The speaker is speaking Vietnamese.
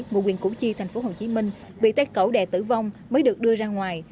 mùa quyền củ chi tp hcm bị tay cầu đè tử vong mới được đưa ra ngoài